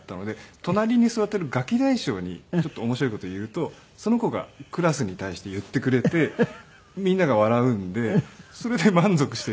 隣に座っているガキ大将にちょっと面白い事を言うとその子がクラスに対して言ってくれてみんなが笑うんでそれで満足しているような。